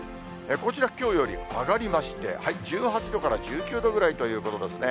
こちら、きょうより上がりまして、１８度から１９度ぐらいということですね。